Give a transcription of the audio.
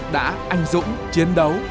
đã anh dũng chiến đấu